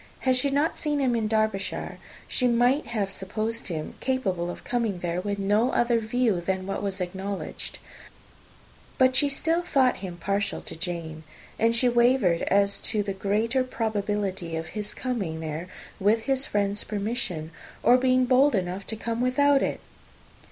Had she not seen him in Derbyshire, she might have supposed him capable of coming there with no other view than what was acknowledged; but she still thought him partial to Jane, and she wavered as to the greater probability of his coming there with his friend's permission, or being bold enough to come without it.